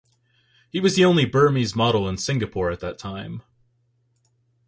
He was the only Burmese model in Singapore at that time.